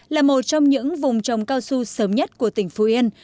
là một trong những vùng trồng cao su sớm nhất của tỉnh phú yên